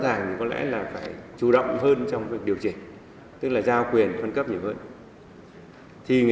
thì có lẽ là phải chủ động hơn trong việc điều chỉnh